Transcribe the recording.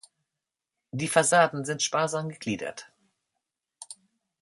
Die Fassaden sind sparsam gegliedert.